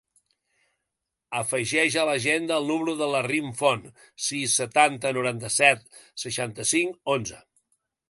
Afegeix a l'agenda el número de la Rim Font: sis, setanta, noranta-set, seixanta-cinc, onze.